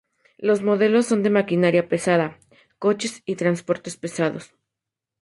Los modelos son de maquinaria pesada, coches y transportes pesados.